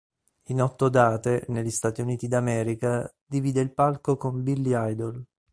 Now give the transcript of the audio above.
In otto date, negli Stati Uniti d'America, divide il palco con Billy Idol.